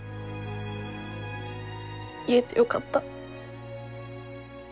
言えてよかった。